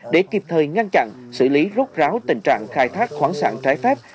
để kịp thời ngăn chặn xử lý rốt ráo tình trạng khai thác khoáng sản trái phép